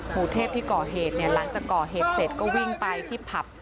ปู่เทพที่ก่อเหตุเนี่ยหลังจากก่อเหตุเสร็จก็วิ่งไปที่ผับ